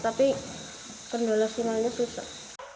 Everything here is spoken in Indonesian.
tapi pendola sinarnya susah